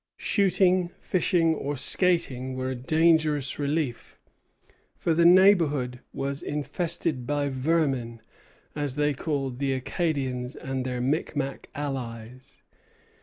Shooting, fishing, or skating were a dangerous relief; for the neighborhood was infested by "vermin," as they called the Acadians and their Micmac allies.